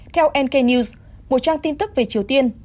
theo nk news một trang tin tức về triều tiên